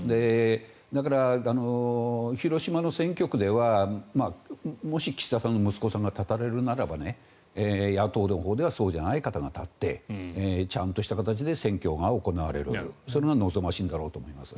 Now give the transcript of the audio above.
だから、広島の選挙区ではもし、岸田さんの息子さんが立たれるならば、野党のほうではそうでない方が立ってちゃんとした形で選挙が行われるそれが望ましいんだと思います。